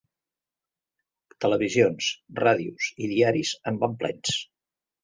Televisions, ràdios i diaris en van plens.